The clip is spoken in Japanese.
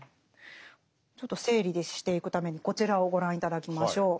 ちょっと整理していくためにこちらをご覧頂きましょう。